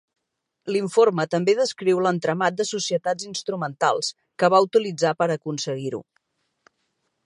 L'informe també descriu l'entramat de societats instrumentals que va utilitzar per aconseguir-ho.